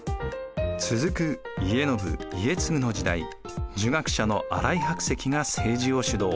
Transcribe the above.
続く家宣・家継の時代儒学者の新井白石が政治を主導。